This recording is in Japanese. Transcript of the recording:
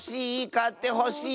かってほしい！